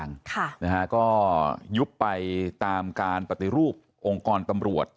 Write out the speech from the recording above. มันก็มีความรู้สึกไม่ค่อยดี